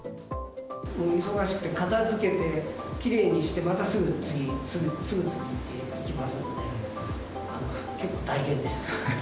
忙しくて、片づけてきれいにして、またすぐ次っていきますので、結構大変です。